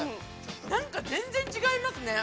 なんか全然違いますね。